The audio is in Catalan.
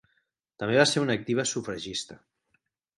També va ser una activa sufragista.